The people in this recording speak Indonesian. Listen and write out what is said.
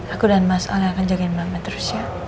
aku dan mas al yang akan jagain banget terus ya